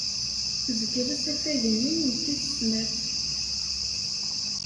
Tezgel asafag-nni n tis snat.